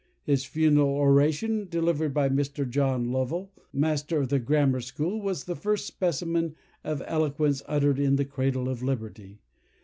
His funeral oration, delivered by Mr. John Lovell, Master of the Grammar School, was the first specimen of eloquence uttered in the "Cradle of Liberty."